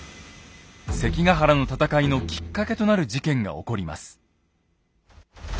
関ヶ原の戦いのきっかけとなる事件が起こります。